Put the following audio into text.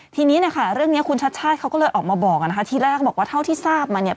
ทีนี้นะคะเรื่องนี้คุณชัดชาติเขาก็เลยออกมาบอกนะคะทีแรกก็บอกว่าเท่าที่ทราบมาเนี่ย